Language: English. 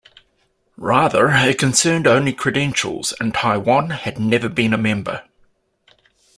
Rather it concerned only credentials and Taiwan had never been a member.